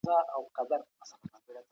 هر غره يوه کيسه لري.